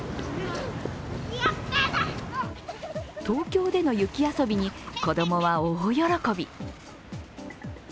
東京での雪遊びに子供は大喜び。